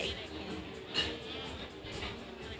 ค่าาาาา